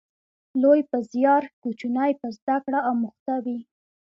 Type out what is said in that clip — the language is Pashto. لوی په زیار، کوچنی په زده کړه اموخته و